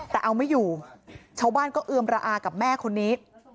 แต่เอาไม่อยู่ชาวบ้านก็เอือมระอากับแม่คนนี้